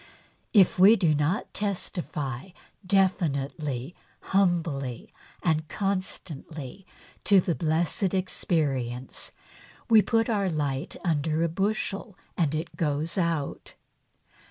If we do not testify definitely, humbly and constantly to the blessed experience, we put our light under a bushel and it goes out.